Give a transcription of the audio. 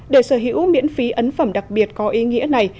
để sở hữu miễn phí ấn phẩm đặc biệt có ý nghĩa này